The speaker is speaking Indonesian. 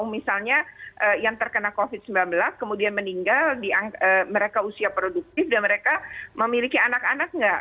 misalnya yang terkena covid sembilan belas kemudian meninggal mereka usia produktif dan mereka memiliki anak anak nggak